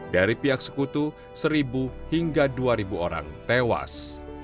dari pihak sekutu seribu hingga dua orang tewas